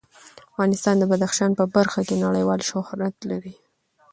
افغانستان د بدخشان په برخه کې نړیوال شهرت لري.